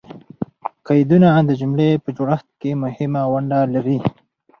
قیدونه د جملې په جوړښت کښي مهمه ونډه لري.